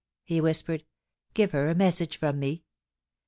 he whispered, *give her a message from me.